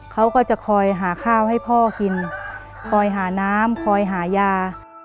เขาก็จะคอยหาข้าวให้พ่อกินคอยหาน้ำคอยหายา